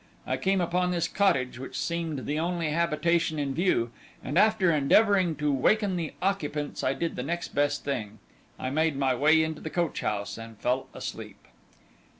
I came upon this cottage, which seemed the only habitation in view, and after endeavouring to waken the occupants I did the next best thing, I made my way into the coachhouse and fell asleep."